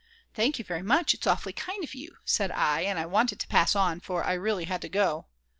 "Thank you very much, it's awfully kind of you," said I, and wanted to pass on, for I really had to go.